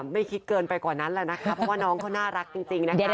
ไม่คิดเกินไปกว่านั้นแหละนะคะเพราะว่าน้องเขาน่ารักจริงนะคะ